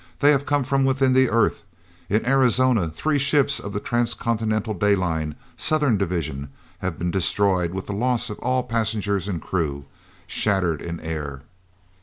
They have come from within the earth. In Arizona, three ships of the Transcontinental Day Line, Southern Division, have been destroyed with the loss of all passengers and crew. Shattered in air.